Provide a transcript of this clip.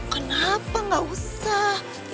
kenapa gak usah